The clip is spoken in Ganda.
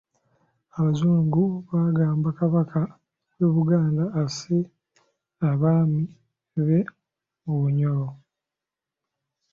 Abazungu baagamba Kabaka w'e Buganda asse abaami be mu Bunyoro.